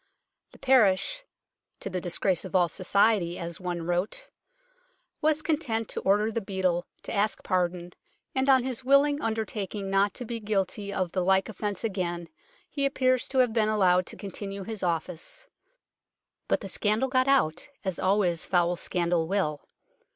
The parish, " to the disgrace of all society," as one wrote, was content to order the beadle to ask pardon, and on his willing undertaking not to be guilty of the like offence again he appears to have been allowed to continue his office. But the scandal got out, as always foul scandal will.